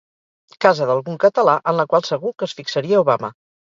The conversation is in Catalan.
Casa d'algun català en la qual segur que es fixaria Obama.